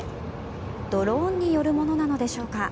ドローンによるものなのでしょうか。